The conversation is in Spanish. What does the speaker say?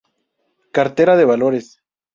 Cartera de valores